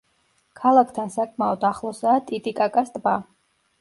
ქალაქთან საკმაოდ ახლოსაა ტიტიკაკას ტბა.